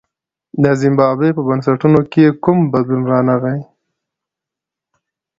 د زیمبابوې په بنسټونو کې کوم بدلون رانغی.